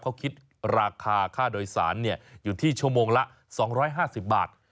เขาคิดราคาค่าโดยสารอยู่ที่ชั่วโมงละ๒๕๐บาท